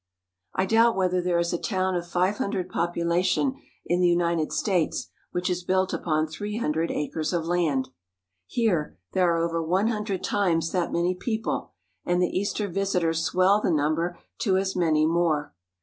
I doubt whether there is a town of five hundred pop ulation in the United States which is built upon three hundred acres of land. Here there are over one hundred times that many people, and the Easter visitors swell the number to as many more.